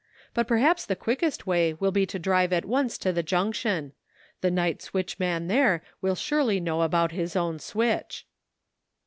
But perhaps the quickest way will be to drive at once to the Junction. The night switchman there will surely know about his own switch."